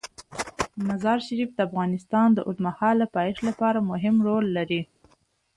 مزارشریف د افغانستان د اوږدمهاله پایښت لپاره مهم رول لري.